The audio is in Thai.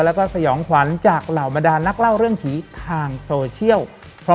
แล้วก็สยองขวัญจากเหล่าบรรดานนักเล่าเรื่องผีทางโซเชียล